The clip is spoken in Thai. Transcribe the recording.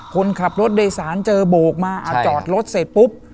คนขับรถโดยสารเจอโบกมาจอดรถเสร็จปุ๊บ